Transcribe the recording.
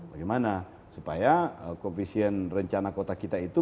bagaimana supaya koefisien rencana kota kita itu